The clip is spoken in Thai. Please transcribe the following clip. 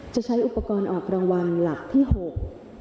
จะใช้อุปกรณ์ออกรางวัลหลักที่หก